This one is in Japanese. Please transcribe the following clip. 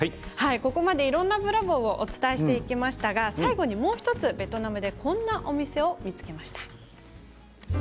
ここまで、いろいろなブラボーをお伝えしてきましたが最後にもう１つ、ベトナムでこんなお店を見つけました。